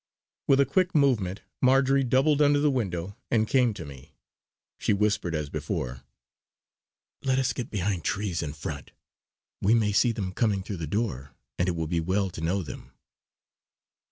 With a quick movement Marjory doubled under the window and came to me. She whispered as before: "Let us get behind trees in front. We may see them coming through the door, and it will be well to know them."